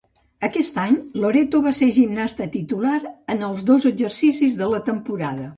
Aquest any Loreto va ser gimnasta titular en els dos exercicis de la temporada.